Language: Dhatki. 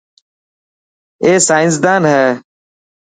اي سائنسدان هي.